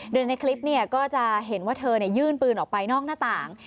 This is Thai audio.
โดยในคลิปก็จะเห็นว่าเธอยื่นปืนออกไปนอกหน้าต่าง